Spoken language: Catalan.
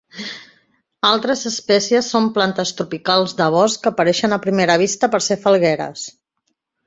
Altres espècies són plantes tropicals de bosc que apareixen a primera vista per ser falgueres.